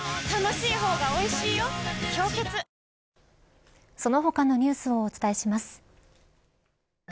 氷結その他のニュースをお伝えします。